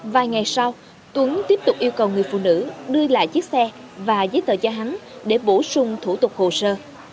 vài ngày sau tuấn tiếp tục yêu cầu người phụ nữ đưa lại chiếc xe và giấy tờ cho hắn để bổ sung thủ tục hồ sơ